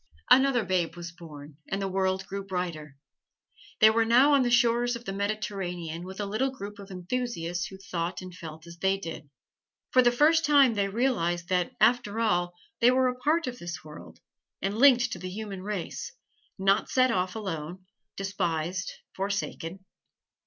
Another babe was born and the world grew brighter. They were now on the shores of the Mediterranean with a little group of enthusiasts who thought and felt as they did. For the first time they realized that, after all, they were a part of the world, and linked to the human race not set off alone, despised, forsaken.